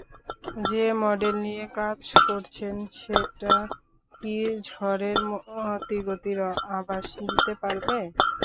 যে মডেল নিয়ে কাজ করছেন সেটা কি ঝড়ের মতিগতির আভাস দিতে পারবে?